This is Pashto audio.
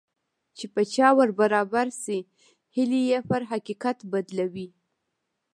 چې په چا ور برابر شي هيلې يې پر حقيقت بدلوي.